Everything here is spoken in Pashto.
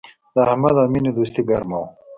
د احمد او مینې دوستي گرمه وه